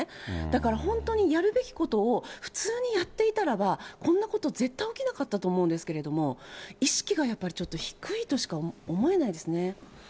だから本当にやるべきことを普通にやっていたらばこんなこと絶対起きなかったと思うんですけれども、意識がやっぱりちょっと低いとしか思えないですね。